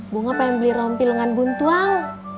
bu gak pengen beli rompil dengan buntuang